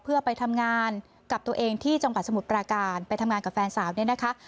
เพื่อไปทำงานกับตัวเองที่จังหวัดสมุทรปราการไปทำงานกับแฟนสาวเนี่ยนะคะ